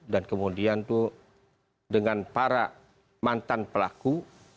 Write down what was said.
kemudian itu dengan para mantan pelaku